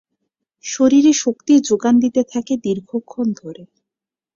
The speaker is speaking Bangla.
শরীরে শক্তির যোগান দিতে থাকে দীর্ঘক্ষণ ধরে।